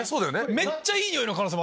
めっちゃいい匂いの可能性も。